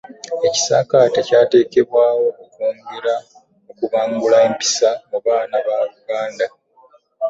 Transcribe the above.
Ekisaakaate kyateekebwawo okwongera okubangula empisa mu baana ba Buganda